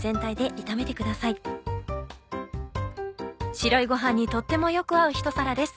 白いご飯にとってもよく合うひと皿です。